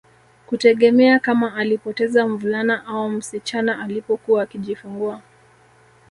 Kutegemea kama alipoteza mvulana au msichana alipokuwa akijifungua